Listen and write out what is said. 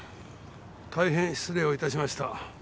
大変失礼を致しました。